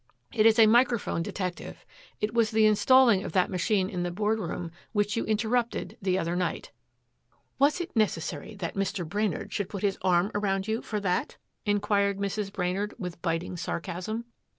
"It is a microphone detective. It was the installing of that machine in the board room which you interrupted the other night." "Was it necessary that Mr. Brainard should put his arm around you for that?" inquired Mrs. Brainard with biting sarcasm.